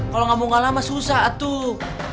kalo gak mau ngalah mah susah tuh